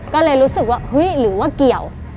ก็เลยรู้สึกว่าเฮ้ยหรือว่าเกี่ยว